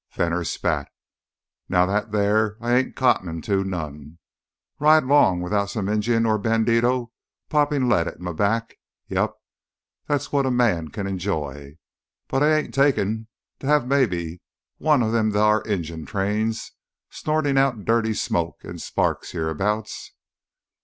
Fenner spat. "Now that thar I ain't cottonin' to none. Ride 'long without some Injun or bandido poppin' lead at m'back. Yep, that's what a man kin enjoy. But I ain't takin' to have maybe one o' them thar engine trains snortin' out dirty smoke an' sparks hereabouts.